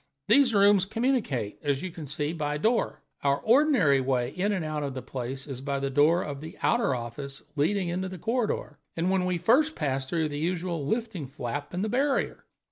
These rooms communicate, as you see, by a door. Our ordinary way in and out of the place is by the door of the outer office leading into the corridor, and we first pass through the usual lifting flap in the barrier.